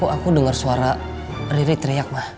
aku dengar suara riri teriak ma